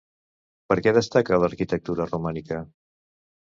Per què destaca l'arquitectura romànica?